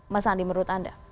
mas andi menurut anda